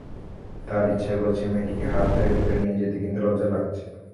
তার ইচ্ছা করছে মেয়েটিকে হাত ধরে ভেতরে নিয়ে যেতে, কিন্তু লজ্জা লাগছে।